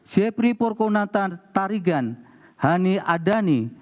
zebri porkonatarigan hani adani